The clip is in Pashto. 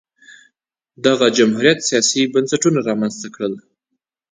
دغه جمهوریت سیاسي بنسټونه رامنځته کړل